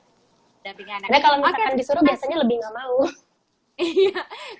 kalau misalkan disuruh biasanya lebih gak mau